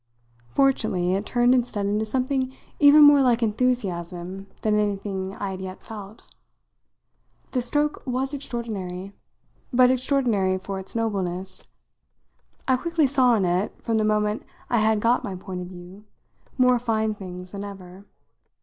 Fortunately it turned instead into something even more like enthusiasm than anything I had yet felt. The stroke was extraordinary, but extraordinary for its nobleness. I quickly saw in it, from the moment I had got my point of view, more fine things than ever.